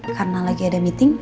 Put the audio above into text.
karena lagi ada meeting